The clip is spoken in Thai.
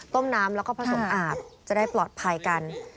น้ำแล้วก็ผสมอาบจะได้ปลอดภัยกัน